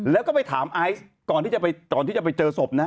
แล้วก็ไปถามไอซ์ก่อนที่จะไปเจอศพนะฮะ